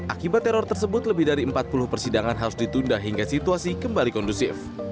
akibat teror tersebut lebih dari empat puluh persidangan harus ditunda hingga situasi kembali kondusif